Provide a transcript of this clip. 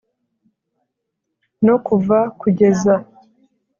No kuva kugeza